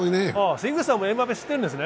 関口さんもエムバペ知っているんですね？